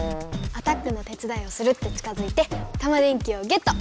アタックの手つだいをするって近づいてタマ電Ｑをゲット！